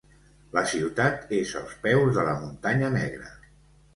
La ciutat és als peus de la Muntanya Negra.